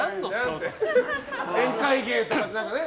宴会芸とかね。